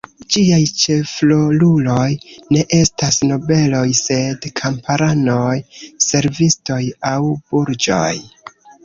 Ĝiaj ĉefroluloj ne estas nobeloj, sed kamparanoj, servistoj aŭ burĝoj.